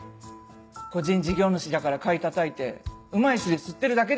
個人事業主だから買いたたいてうまい汁吸ってるだけですよね。